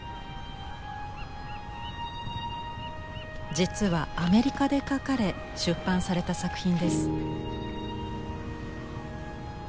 実はアメリカで描かれ出版された作品です。